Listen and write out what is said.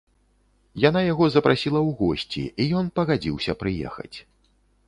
Яна яго запрасіла ў госці і ён пагадзіўся прыехаць.